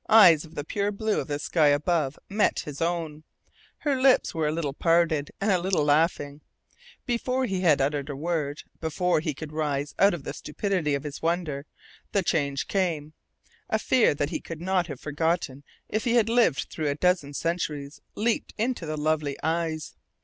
Eyes of the pure blue of the sky above met his own. Her lips were a little parted and a little laughing. Before he had uttered a word, before he could rise out of the stupidity of his wonder, the change came. A fear that he could not have forgotten if he had lived through a dozen centuries leaped into the lovely eyes.